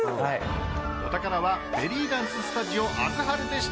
お宝はベリーダンススタジオアズハルでした。